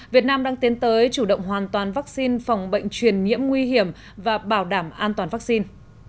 việt nam đang tiến tới chủ động hoàn toàn vắc xin phòng bệnh truyền nhiễm nguy hiểm và bảo đảm an toàn vắc xin